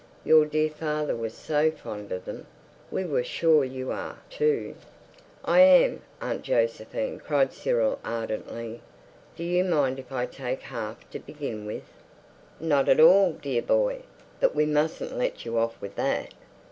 Your dear father was so fond of them. We were sure you are, too." "I am, Aunt Josephine," cried Cyril ardently. "Do you mind if I take half to begin with?" "Not at all, dear boy; but we mustn't let you off with that."